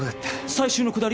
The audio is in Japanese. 最終の下り？